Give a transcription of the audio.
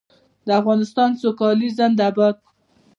د افغانستان سوکالي زنده باد.